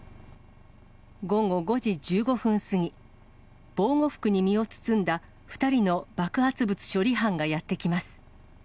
午後５時１５分過ぎ、防護服に身を包んだ２人の爆発物処理班がやって来ます。